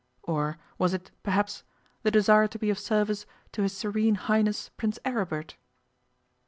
Or was it, perhaps, the desire to be of service to His Serene Highness Prince Aribert?